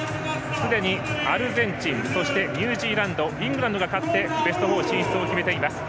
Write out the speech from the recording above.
すでにアルゼンチンそしてニュージーランドイングランドが勝ってベスト４進出を決めています。